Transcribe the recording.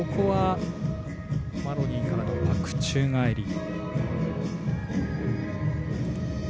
マロニーからのパク宙返り。